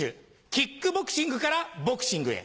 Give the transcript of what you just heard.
キックボクシングからボクシングへ。